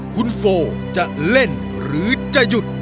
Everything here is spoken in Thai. คุณโฟจะเล่นหรือจะหยุด